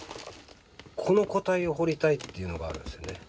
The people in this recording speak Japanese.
この個体を彫りたいっていうのがあるんですよね。